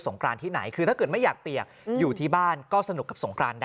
นะครับ